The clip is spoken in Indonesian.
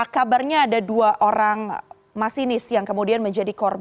kabarnya ada dua orang masinis yang kemudian menjadi konfirmasi